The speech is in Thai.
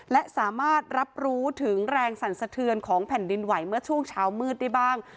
และสามารถรับรู้ถึงแรงสั่นสะเทือนของแผ่นดินไหวเมื่อช่วงเช้ามืดได้บ้าง